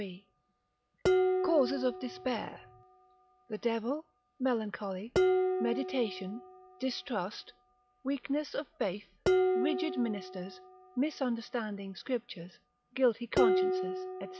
III.—_Causes of Despair, the Devil, Melancholy, Meditation, Distrust, Weakness of Faith, Rigid Ministers, Misunderstanding Scriptures, Guilty Consciences, &c.